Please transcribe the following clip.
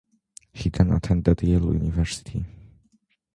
He then attended Yale University.